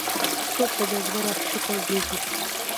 توپ په جاذبه راښکته کېږي.